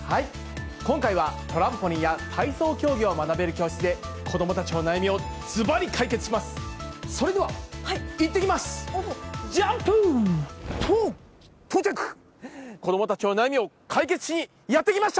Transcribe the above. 今回はトランポリンや体操競技を学べる教室で、子どもたちの悩みをずばり解決します。